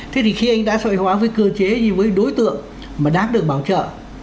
thế thì khi anh đã sòi hóa với cơ chế như với đối tượng mà đáng được bảo trợ